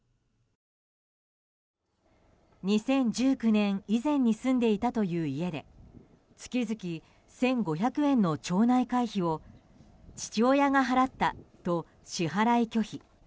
２０１９年以前に住んでいたという家で月々１５００円の町内会費を父親が払ったと支払い拒否。